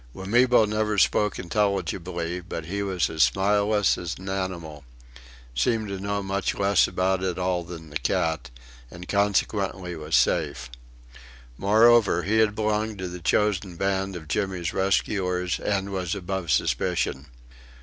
Wamibo never spoke intelligibly, but he was as smileless as an animal seemed to know much less about it all than the cat and consequently was safe. Moreover, he had belonged to the chosen band of Jimmy's rescuers, and was above suspicion.